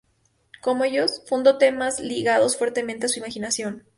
Como ellos, fundó temas ligados fuertemente a su imaginación.